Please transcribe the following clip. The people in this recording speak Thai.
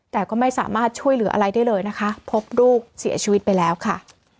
แต่ก็ไม่สามารถช่วยเหลืออะไรได้เลยนะคะพบลูกเสียชีวิตไปแล้วค่ะ